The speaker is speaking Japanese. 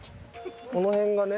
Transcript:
この辺がね。